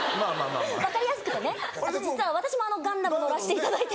分かりやすく実は私もガンダム乗らせていただいてて。